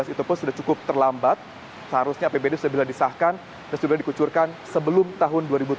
itu pun sudah cukup terlambat seharusnya apbd sudah bisa disahkan dan sudah dikucurkan sebelum tahun dua ribu tujuh belas